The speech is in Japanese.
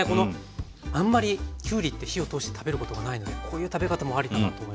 あんまりきゅうりって火を通して食べることがないのでこういう食べ方もありだなと思います。